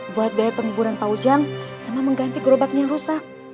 buat biaya penghiburan pak ujang sama mengganti gerobaknya yang rusak